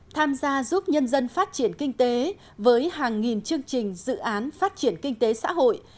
tham gia giúp nhân dân phát triển kinh tế với hàng nghìn chương trình dự án phát triển kinh tế xã hội